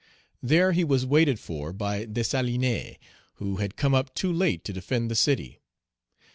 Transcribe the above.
There he was waited for by Dessalines, who had come up too late to defend the city.